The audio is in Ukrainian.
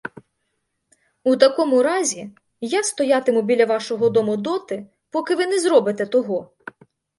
У такому разі я стоятиму біля вашого дому доти, поки ви не зробите того.